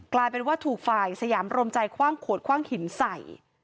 กลายเป็นว่าถูกฝ่ายสยามรวมใจคว่างขวดคว่างหินใส่